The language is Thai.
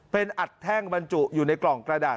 เป็นอัดแท่งบรรจุอยู่ในกล่องกระดาษ